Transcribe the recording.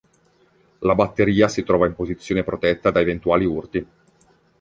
La batteria si trova in posizione protetta da eventuali urti.